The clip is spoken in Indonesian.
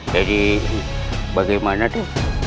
jadi bagaimana itu